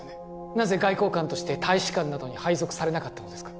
なぜ外交官として大使館などに配属されなかったのですか？